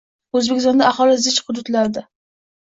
O‘zbekistonda aholi zich hududlarda